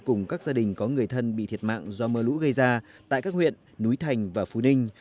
cùng các gia đình có người thân bị thiệt mạng do mưa lũ gây ra tại các huyện núi thành và phú ninh